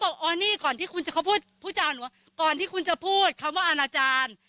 บอกอ๋อนี่ก่อนที่คุณจะเขาพูดพูดจานหนูว่าก่อนที่คุณจะพูดคำว่าอาณาจารย์